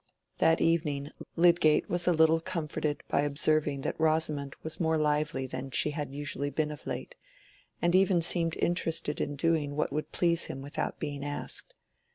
That evening Lydgate was a little comforted by observing that Rosamond was more lively than she had usually been of late, and even seemed interested in doing what would please him without being asked.